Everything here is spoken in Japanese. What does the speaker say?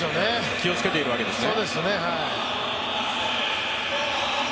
気をつけているわけですね。